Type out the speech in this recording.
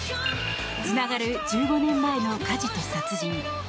つながる１５年前の火事と殺人。